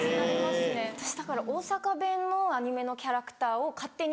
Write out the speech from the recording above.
私だから大阪弁のアニメのキャラクターを勝手に。